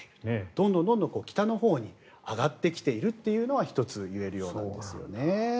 どんどん北のほうに上がってきているというのは１つ言えるようなんですね。